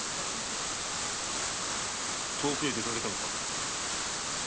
遠くへ出かけたのか？